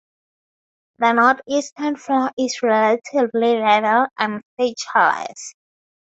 The northeastern floor is relatively level and featureless.